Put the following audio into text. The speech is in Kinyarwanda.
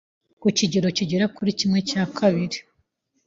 ku kigero kigera kuri kimwe cya kabiri